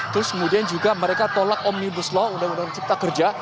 terus kemudian juga mereka tolak omnibus law undang undang cipta kerja